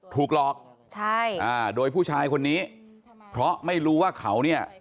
ถูกหลอกใช่อ่าโดยผู้ชายคนนี้เพราะไม่รู้ว่าเขาเนี่ย